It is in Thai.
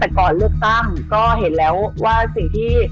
แต่ก่อนเลือกตั้งก็เห็นแล้วว่าสิ่งที่